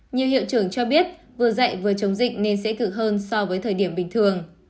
nhiều hiệu trưởng cho biết vừa dạy vừa chống dịch nên sẽ thử hơn so với thời điểm bình thường